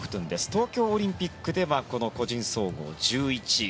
東京オリンピックではこの個人総合１１位。